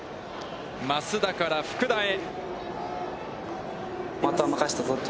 増田から福田へ。